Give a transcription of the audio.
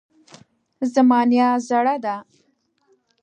زما نیا زړه ده